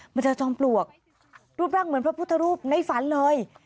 เจอจอมปลวกรูปร่างเหมือนพระพุทธรูปในฝันเลย